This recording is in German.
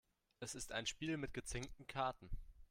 Es ist ein Spiel mit gezinkten Karten.